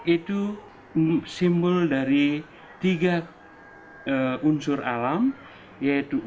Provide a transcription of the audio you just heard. itu simbol dari tiga unsur alam yaitu unsur manis